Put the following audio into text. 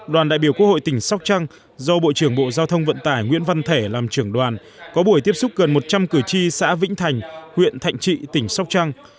đoàn đại biểu quốc hội tỉnh sóc trăng do bộ trưởng bộ giao thông vận tải nguyễn văn thể làm trưởng đoàn có buổi tiếp xúc gần một trăm linh cử tri xã vĩnh thành huyện thạnh trị tỉnh sóc trăng